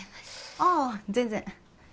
ああ全然。